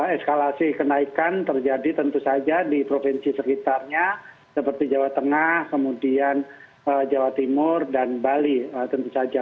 eskalasi kenaikan terjadi tentu saja di provinsi sekitarnya seperti jawa tengah kemudian jawa timur dan bali tentu saja